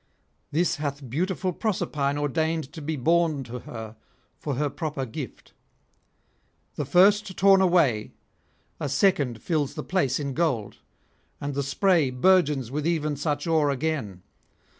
This hath beautiful Proserpine ordained to be borne to her for her proper gift. The first torn away, a second fills the place in gold, and the spray burgeons with even such ore again.